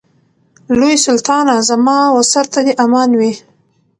لوی سلطانه زما و سر ته دي امان وي